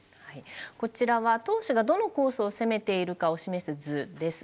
こちらは投手がどのコースを攻めているかを示す図です。